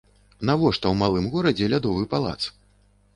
Навошта ў малым горадзе лядовы палац?